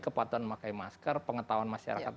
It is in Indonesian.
kepatuhan memakai masker pengetahuan masyarakat